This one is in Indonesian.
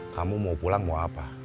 kamu mau pulang mau apa